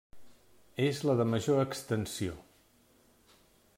És la de major extensió.